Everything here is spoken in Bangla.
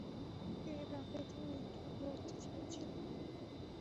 তিনি প্রাকৃতিক বিজ্ঞান পড়তে চেয়েছিলেন।